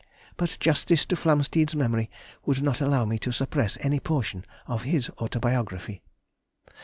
But justice to Flamsteed's memory would not allow me to suppress any portion of his autobiography."